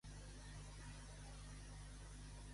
D'un home pec, de vegades bon consell.